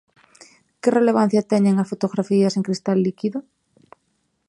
Que relevancia teñen as fotografías en 'Cristal líquido'?